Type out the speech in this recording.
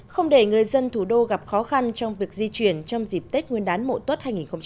không để người dân thủ đô gặp khó khăn trong việc di chuyển trong dịp tết nguyên đán mộ tuất hai nghìn một mươi tám